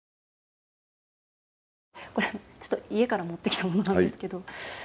これ、ちょっと家から持ってきたものなんですけど。